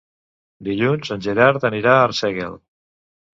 Dilluns en Gerard anirà a Arsèguel.